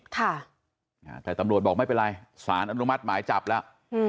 แต่ตำรวจบอกไม่เป็นไรสารอนุมัติหมายจับแล้วอืม